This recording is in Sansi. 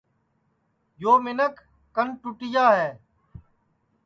یو منکھ کانٹُٹیا ہے